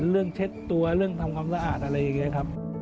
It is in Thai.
เช็ดตัวเรื่องทำความสะอาดอะไรอย่างนี้ครับ